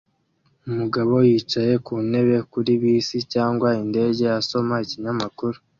Umugabo yicaye ku ntebe kuri bisi cyangwa indege asoma ikinyamakuru